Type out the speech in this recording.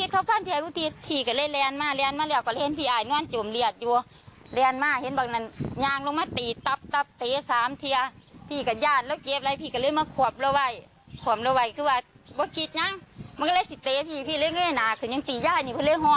คือนี้สิหญ้าเอาตากราบบ้าน